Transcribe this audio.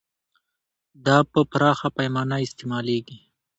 دا په پراخه پیمانه استعمالیږي.